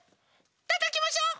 たたきましょ！